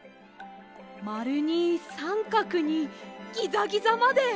まるにさんかくにギザギザまで！